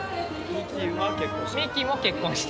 ミキは結婚した？